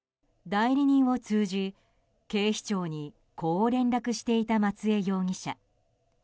代理人を通じ、警視庁にこう連絡していた松江容疑者。